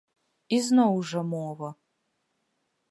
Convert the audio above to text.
І, зноў жа, мова.